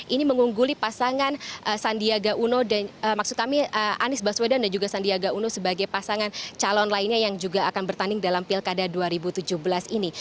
ini mengungguli pasangan sandiaga uno dan maksud kami anies baswedan dan juga sandiaga uno sebagai pasangan calon lainnya yang juga akan bertanding dalam pilkada dua ribu tujuh belas ini